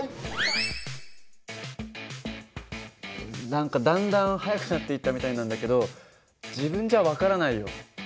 何かだんだん速くなっていったみたいなんだけど自分じゃ分からないよ。